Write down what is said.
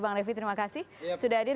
bang revi terima kasih sudah hadir